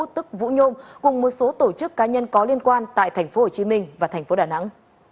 tức vũ nhôm cùng một số tổ chức cá nhân có liên quan tại tp hcm và thành phố đà nẵng